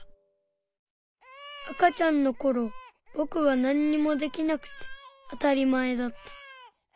赤ちゃんのころぼくはなんにもできなくてあたりまえだった。